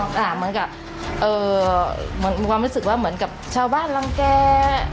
เหมือนกับมีความรู้สึกว่าเหมือนกับชาวบ้านรังแก่